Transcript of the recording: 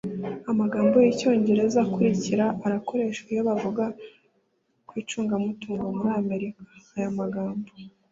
amagambo y icyongereza akurikira akoreshwa iyo bavuga ku icungamutungo muri amerika aya magambo